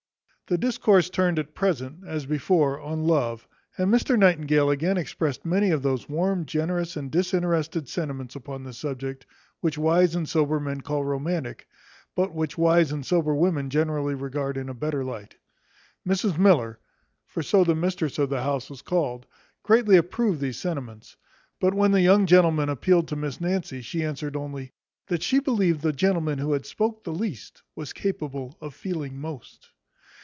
The discourse turned at present, as before, on love; and Mr Nightingale again expressed many of those warm, generous, and disinterested sentiments upon this subject, which wise and sober men call romantic, but which wise and sober women generally regard in a better light. Mrs Miller (for so the mistress of the house was called) greatly approved these sentiments; but when the young gentleman appealed to Miss Nancy, she answered only, "That she believed the gentleman who had spoke the least was capable of feeling most."